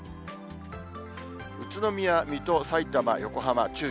宇都宮、水戸、さいたま、横浜、注意。